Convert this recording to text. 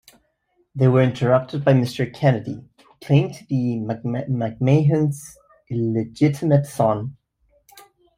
They were interrupted by Mr. Kennedy, who claimed to be McMahon's "illegitimate son".